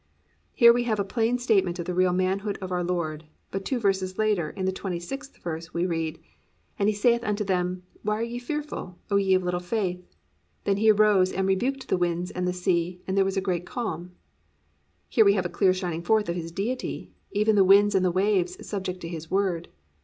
"+ Here we have a plain statement of the real manhood of our Lord, but two verses later, in the 26th verse, we read, +"And He saith unto them, why are ye fearful, O ye of little faith? Then He arose, and rebuked the winds and the sea, and there was a great calm."+ Here we have a clear shining forth of His Deity, even the winds and the waves subject to His word.